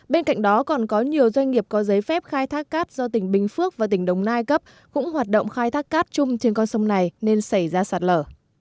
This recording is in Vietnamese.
bên cạnh đó còn có nhiều doanh nghiệp có giấy phép khai thác cát do tỉnh bình phước và tỉnh đồng nai cấp cũng hoạt động khai thác cát chung trên con sông này nên xảy ra sạt lở